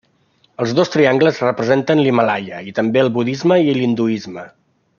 Els dos triangles representen l'Himàlaia i també el budisme i l'hinduisme.